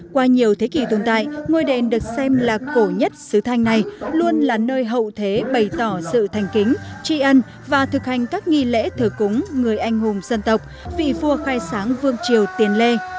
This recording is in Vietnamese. qua nhiều thế kỷ tồn tại ngôi đền được xem là cổ nhất sứ thanh này luôn là nơi hậu thế bày tỏ sự thành kính tri ân và thực hành các nghi lễ thờ cúng người anh hùng dân tộc vị vua khai sáng vương triều tiền lê